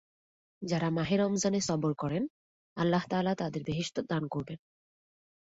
যারা মাহে রমজানে সবর করেন, আল্লাহ তাআলা তাদের বেহেশত দান করবেন।